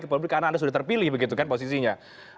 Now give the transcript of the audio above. karena anda sudah terpilih posisinya